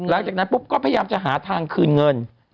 แล้วจากนั้นก็พยายามจะหาทางคืนเงิน